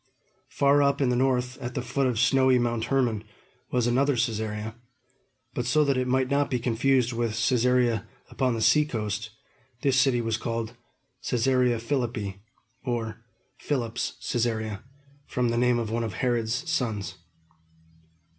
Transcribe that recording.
Far up in the north, at the foot of snowy Mount Hermon, was another Cæsarea; but so that it might not be confused with Cæsarea upon the seacoast this city was called Cæsarea Philippi, or "Philip's Cæsarea," from the name of one of Herod's sons.